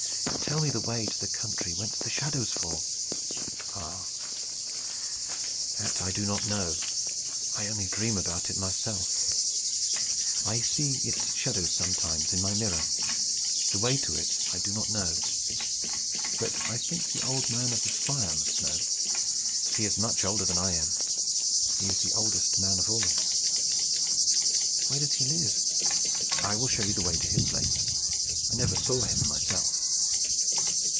"Tell me the way to the country whence the shadows fall." "Ah! that I do not know. I only dream about it myself. I see its shadows sometimes in my mirror: the way to it I do not know. But I think the Old Man of the Fire must know. He is much older than I am. He is the oldest man of all." "Where does he live?" "I will show you the way to his place. I never saw him myself."